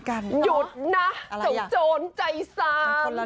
กันนี้ไปลิเกแล้ว